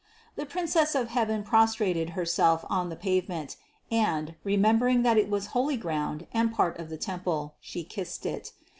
The Princess of heaven prostrated Herself on the pavement, and, remembering that it was holy ground and part of the temple, She kissed it.